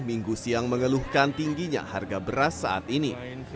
minggu siang mengeluhkan tingginya harga beras saat ini